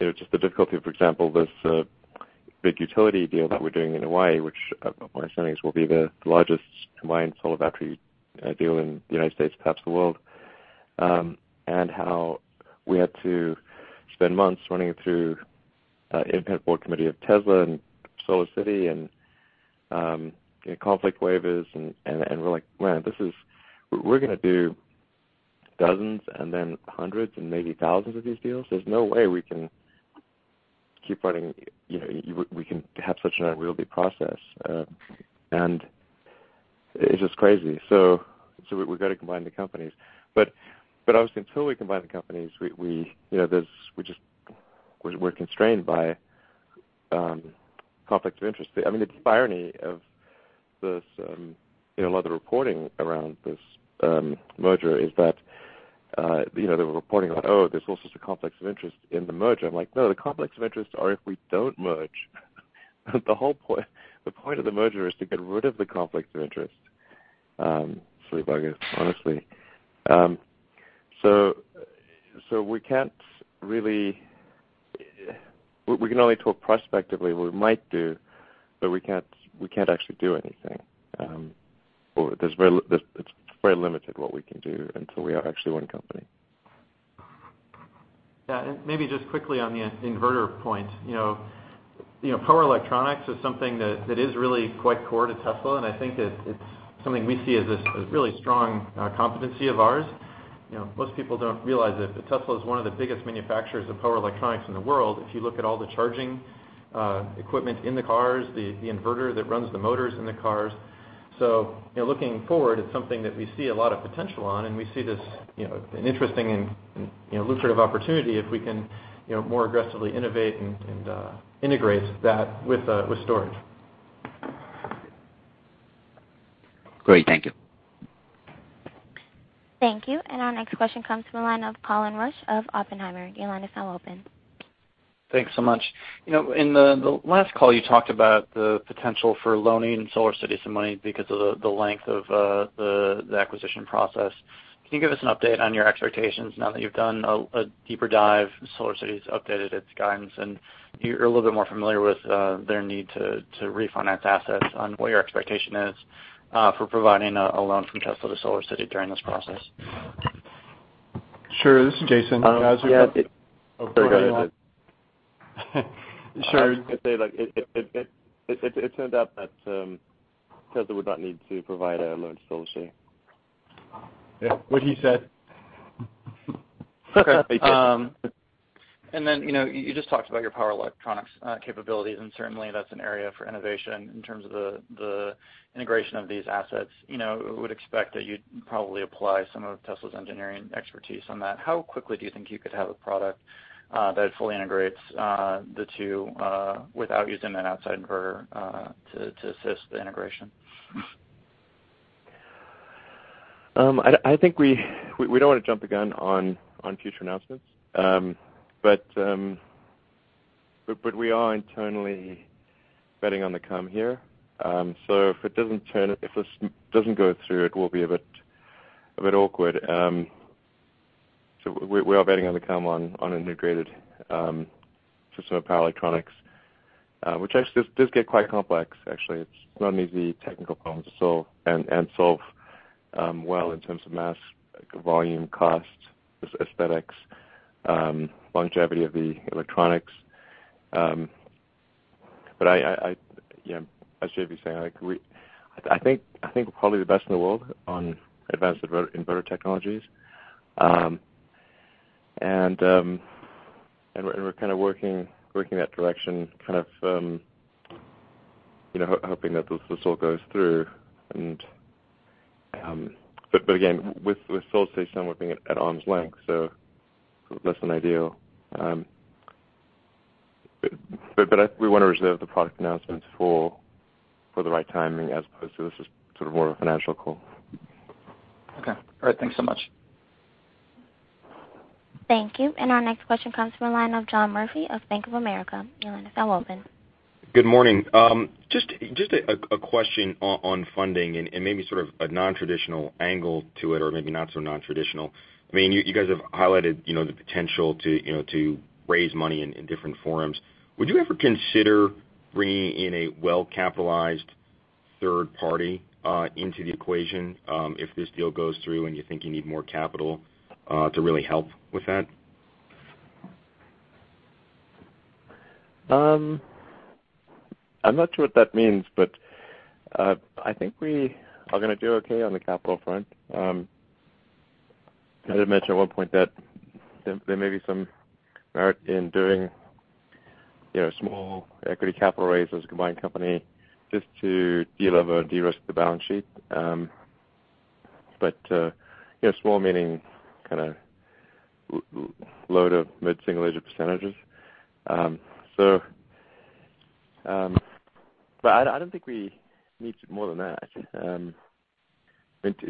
know, just the difficulty of, for example, this big utility deal that we're doing in Hawaii, which my understanding is, will be the largest combined solar battery deal in the U.S., perhaps the world. How we had to spend months running it through, independent board committee of Tesla and SolarCity and, you know, conflict waivers and we're like, "Man, this is. We're gonna do dozens and then hundreds and maybe thousands of these deals. There's no way we can keep running, you know, you, we can have such an unwieldy process." It's just crazy. We gotta combine the companies. Obviously until we combine the companies, we, you know, we're constrained by conflicts of interest. I mean, the irony of this, you know, a lot of the reporting around this merger is that, you know, there were reporting like, "Oh, there's all sorts of conflicts of interest in the merger." I'm like, "No, the conflicts of interest are if we don't merge." The whole point, the point of the merger is to get rid of the conflicts of interest. Silly buggers, honestly. We can only talk prospectively what we might do, but we can't actually do anything. Or it's very limited what we can do until we are actually one company. Yeah. Maybe just quickly on the inverter point. You know, power electronics is something that is really quite core to Tesla, and I think that it's something we see as this, a really strong competency of ours. You know, most people don't realize it, but Tesla is one of the biggest manufacturers of power electronics in the world if you look at all the charging equipment in the cars, the inverter that runs the motors in the cars. You know, looking forward, it's something that we see a lot of potential on, and we see this, you know, an interesting and, you know, lucrative opportunity if we can, you know, more aggressively innovate and, integrate that with storage. Great. Thank you. Thank you. Our next question comes from the line of Colin Rusch of Oppenheimer. Your line is now open. Thanks so much. You know, in the last call, you talked about the potential for loaning SolarCity some money because of the length of the acquisition process. Can you give us an update on your expectations now that you've done a deeper dive, SolarCity's updated its guidance, and you're a little bit more familiar with their need to refinance assets on what your expectation is for providing a loan from Tesla to SolarCity during this process? Sure. This is Jason. Sure. I'd say, like, it turned out that Tesla would not need to provide a loan to SolarCity. Yeah, what he said. Okay. You know, you just talked about your power electronics capabilities, and certainly that's an area for innovation in terms of the integration of these assets. You know, we would expect that you'd probably apply some of Tesla's engineering expertise on that. How quickly do you think you could have a product that fully integrates the two without using an outside inverter to assist the integration? I think we don't wanna jump the gun on future announcements. We are internally betting on the come here. If this doesn't go through, it will be a bit awkward. We are betting on the come on integrated system of power electronics, which actually does get quite complex actually. It's not an easy technical problem to solve and solve well in terms of mass, like volume, cost, aesthetics, longevity of the electronics. I, you know, as JB saying, like I think we're probably the best in the world on advanced inverter technologies. We're kind of working that direction kind of, you know, hoping that this all goes through. Again, with SolarCity, I'm working at arm's length, so less than ideal. We want to reserve the product announcements for the right timing as opposed to this is sort of more of a financial call. Okay. All right. Thanks so much. Thank you. Our next question comes from the line of John Murphy of Bank of America. Your line is now open. Good morning. Just a question on funding and maybe sort of a non-traditional angle to it or maybe not so non-traditional. I mean, you guys have highlighted, you know, the potential to raise money in different forums. Would you ever consider bringing in a well-capitalized third party into the equation, if this deal goes through and you think you need more capital to really help with that? I'm not sure what that means, but I think we are gonna do okay on the capital front. I did mention at one point that there may be some merit in doing, you know, small equity capital raises combined company just to delever and de-risk the balance sheet. You know, small meaning kinda low to mid-single-digit percentage. I don't think we need more than that.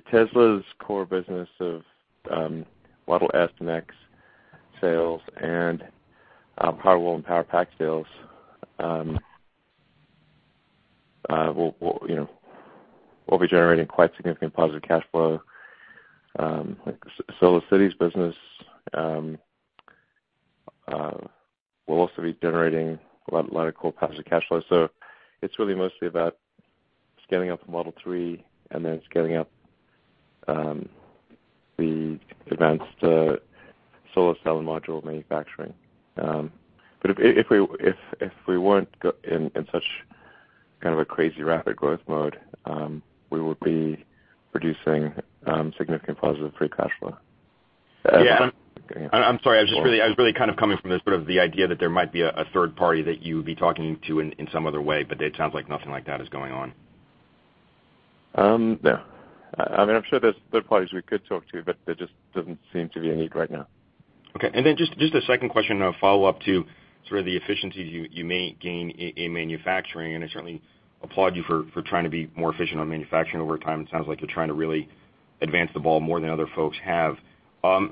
Tesla's core business of Model S and Model X sales and Powerwall and Powerpack sales will, you know, be generating quite significant positive cash flow. SolarCity's business will also be generating a lot of cool positive cash flow. It's really mostly about scaling up the Model 3 and then scaling up the advanced solar cell and module manufacturing. If we weren't in such kind of a crazy rapid growth mode, we would be producing significant positive free cash flow. Yeah. I'm sorry. I was just really kind of coming from this sort of the idea that there might be a third party that you'd be talking to in some other way, but it sounds like nothing like that is going on. No. I mean, I'm sure there's third parties we could talk to, but there just doesn't seem to be a need right now. Okay. Then just a second question, a follow-up to sort of the efficiencies you may gain in manufacturing, I certainly applaud you for trying to be more efficient on manufacturing over time. It sounds like you're trying to really advance the ball more than other folks have.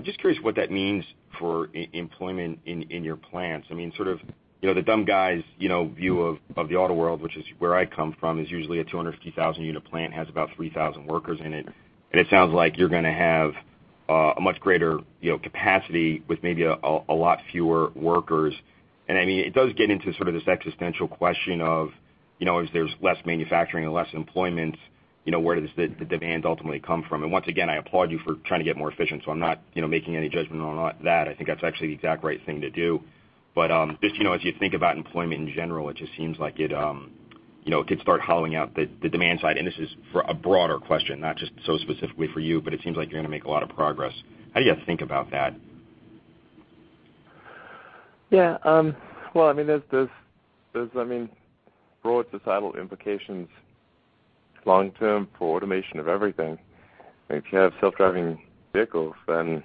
Just curious what that means for employment in your plants. I mean, sort of, you know, the dumb guys, you know, view of the auto world, which is where I come from, is usually a 250,000 unit plant, has about 3,000 workers in it. It sounds like you're gonna have a much greater, you know, capacity with maybe a lot fewer workers. I mean, it does get into sort of this existential question of. You know, as there's less manufacturing and less employment, you know, where does the demand ultimately come from? Once again, I applaud you for trying to get more efficient, so I'm not, you know, making any judgment on that. I think that's actually the exact right thing to do. Just, you know, as you think about employment in general, it just seems like it, you know, could start hollowing out the demand side. This is for a broader question, not just so specifically for you, but it seems like you're gonna make a lot of progress. How do you guys think about that? Yeah. Well, I mean, there's, I mean, broad societal implications long-term for automation of everything. If you have self-driving vehicles, then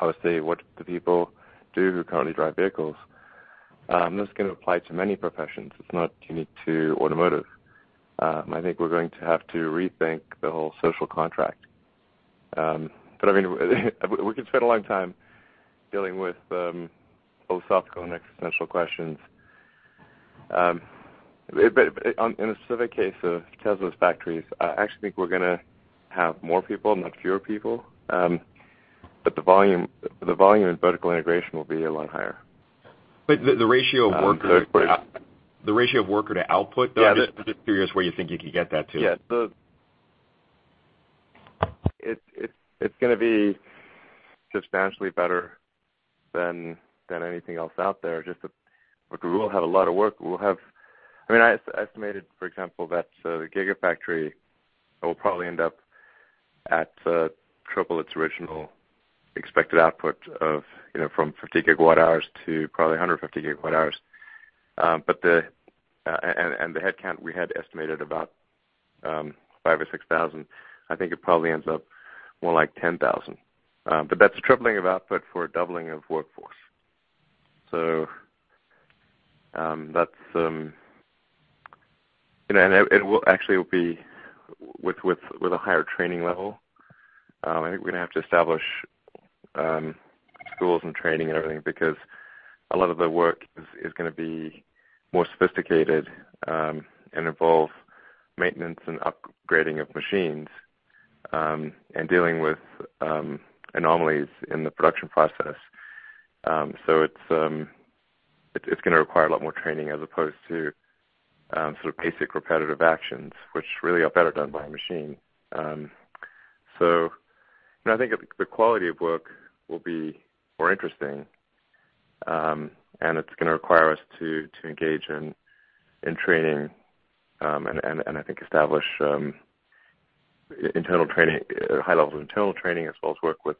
obviously what do the people do who currently drive vehicles? This can apply to many professions. It's not unique to automotive. I think we're going to have to rethink the whole social contract. I mean we could spend a long time dealing with philosophical and existential questions. On, in the specific case of Tesla's factories, I actually think we're gonna have more people, not fewer people. The volume and vertical integration will be a lot higher. But the ratio of worker- Um, so- The ratio of worker to output though. Yeah. Just curious where you think you could get that to. Yeah. It's going to be substantially better than anything else out there. Just that we will have a lot of work. I mean, I estimated, for example, that the Gigafactory will probably end up at triple its original expected output of, you know, from 50 GWh to probably 150 GWh. The headcount we had estimated about 5,000 or 6,000, I think it probably ends up more like 10,000. That's a tripling of output for a doubling of workforce. That's, you know, it will actually be with a higher training level. I think we're gonna have to establish schools and training and everything because a lot of the work is gonna be more sophisticated and involve maintenance and upgrading of machines and dealing with anomalies in the production process. It's gonna require a lot more training as opposed to sort of basic repetitive actions, which really are better done by a machine. And I think the quality of work will be more interesting and it's gonna require us to engage in training and I think establish internal training, high levels of internal training, as well as work with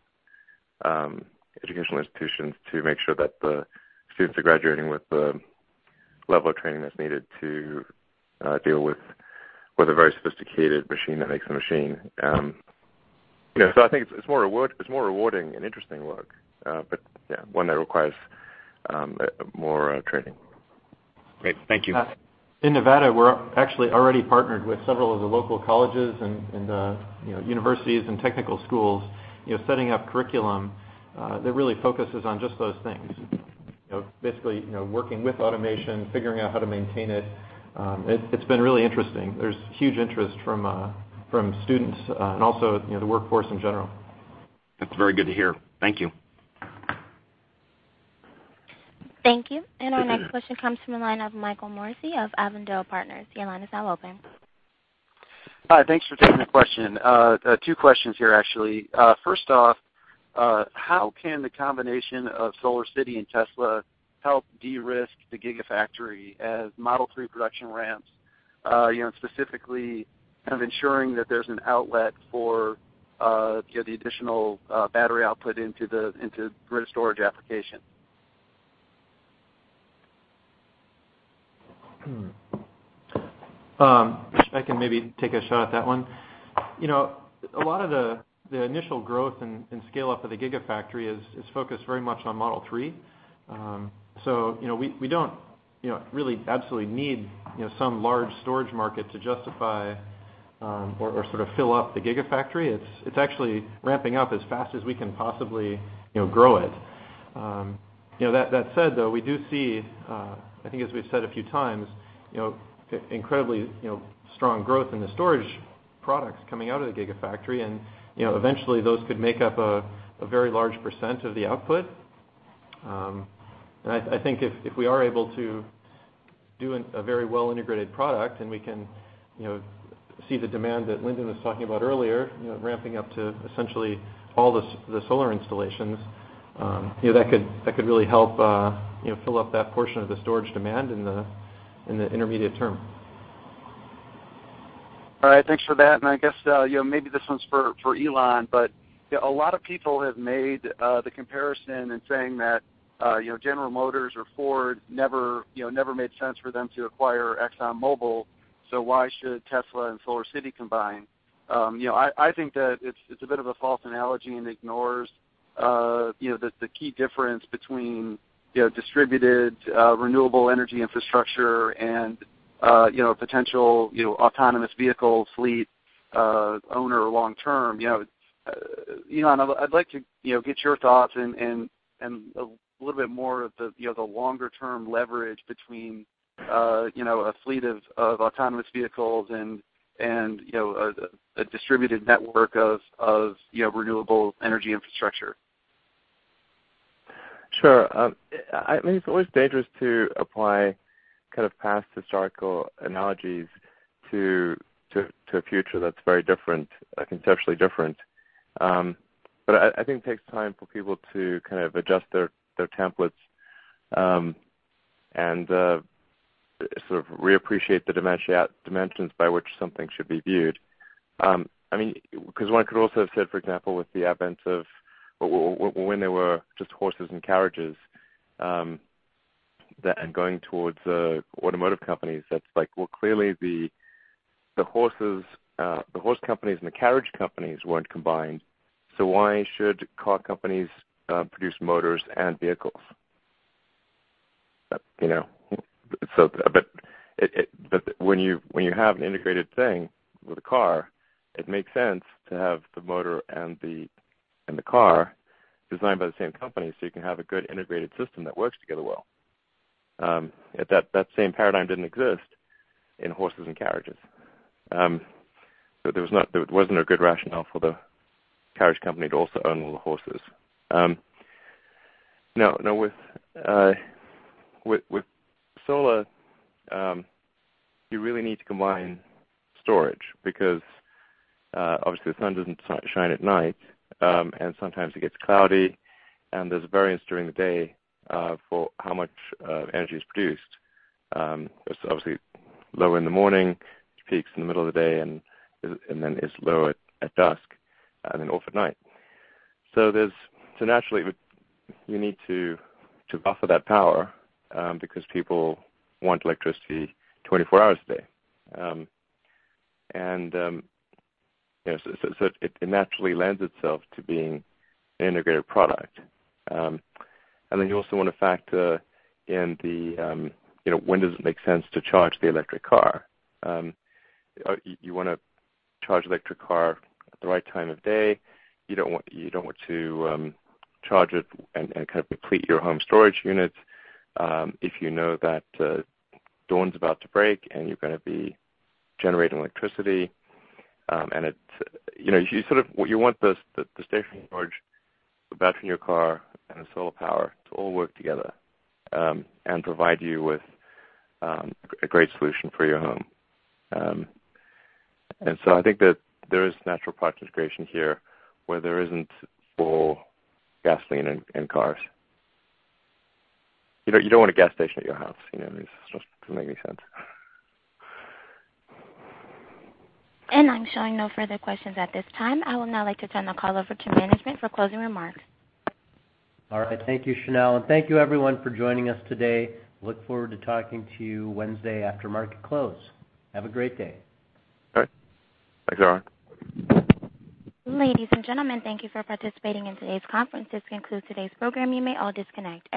educational institutions to make sure that the students are graduating with the level of training that's needed to deal with a very sophisticated machine that makes the machine. You know, I think it's more rewarding and interesting work, but yeah, one that requires more training. Great. Thank you. In Nevada, we're actually already partnered with several of the local colleges and, you know, universities and technical schools, you know, setting up curriculum that really focuses on just those things. You know, basically, you know, working with automation, figuring out how to maintain it. It's been really interesting. There's huge interest from students, and also, you know, the workforce in general. That's very good to hear. Thank you. Thank you. Our next question comes from the line of Michael Morosi of Avondale Partners. Your line is now open. Hi. Thanks for taking the question. Two questions here, actually. First off, how can the combination of SolarCity and Tesla help de-risk the Gigafactory as Model 3 production ramps, you know, specifically kind of ensuring that there's an outlet for, you know, the additional battery output into the, into grid storage application? I can maybe take a shot at that one. You know, a lot of the initial growth and scale-up of the Gigafactory is focused very much on Model 3. You know, we don't, you know, really absolutely need, you know, some large storage market to justify or sort of fill up the Gigafactory. It's actually ramping up as fast as we can possibly, you know, grow it. You know, that said, though, we do see, I think as we've said a few times, you know, incredibly, you know, strong growth in the storage products coming out of the Gigafactory. You know, eventually those could make up a very large percent of the output. I think if we are able to do a very well-integrated product and we can, you know, see the demand that Lyndon was talking about earlier, you know, ramping up to essentially all the solar installations, you know, that could really help, you know, fill up that portion of the storage demand in the intermediate term. All right. Thanks for that. I guess, you know, maybe this one's for Elon, but, you know, a lot of people have made the comparison in saying that, you know, General Motors or Ford never, you know, never made sense for them to acquire ExxonMobil. Why should Tesla and SolarCity combine? You know, I think that it's a bit of a false analogy and ignores, you know, the key difference between, you know, distributed renewable energy infrastructure and, you know, potential, you know, autonomous vehicle fleet owner long term. You know, Elon, I'd like to, you know, get your thoughts and a little bit more of the, you know, the longer term leverage between, you know, a fleet of autonomous vehicles and, you know, a distributed network of, you know, renewable energy infrastructure. Sure. It's always dangerous to apply kind of past historical analogies to a future that's very different, conceptually different. I think it takes time for people to kind of adjust their templates and sort of reappreciate the dimensions by which something should be viewed. I mean, 'cause one could also have said, for example, with the advent of when there were just horses and carriages, that and going towards automotive companies, that's like, well, clearly the horse companies and the carriage companies weren't combined. Why should car companies produce motors and vehicles? You know, when you have an integrated thing with a car, it makes sense to have the motor and the car designed by the same company so you can have a good integrated system that works together well. That same paradigm didn't exist in horses and carriages. There wasn't a good rationale for the carriage company to also own all the horses. Now with solar, you really need to combine storage because obviously the sun doesn't shine at night, and sometimes it gets cloudy, and there's variance during the day for how much energy is produced. It's obviously lower in the morning, it peaks in the middle of the day and is, and then is lower at dusk, and then off at night. Naturally, you need to buffer that power, because people want electricity 24 hours a day. It naturally lends itself to being an integrated product. You also wanna factor in the, you know, when does it make sense to charge the electric car? You wanna charge the electric car at the right time of day. You don't want to charge it and kind of deplete your home storage units, if you know that dawn's about to break and you're gonna be generating electricity. It's, you know, you sort of You want the stationary storage, the battery in your car and the solar power to all work together, and provide you with a great solution for your home. I think that there is natural product integration here where there isn't for gasoline in cars. You know, you don't want a gas station at your house, you know? It just doesn't make any sense. I'm showing no further questions at this time. I would now like to turn the call over to management for closing remarks. All right. Thank you, Chanelle. Thank you everyone for joining us today. Look forward to talking to you Wednesday after market close. Have a great day. All right. Thanks, everyone. Ladies and gentlemen, thank you for participating in today's conference. This concludes today's program. You may all disconnect.